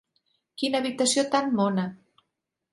Quina habitació tan mona!